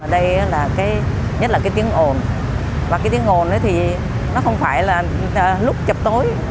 đây là cái nhất là cái tiếng ồn và cái tiếng ồn thì nó không phải là lúc chập tối